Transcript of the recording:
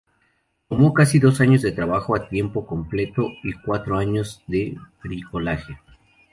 Tomó casi dos años de trabajo a tiempo completo y cuatro años de bricolaje.